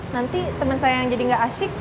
nanti temen saya yang jadi gak asyik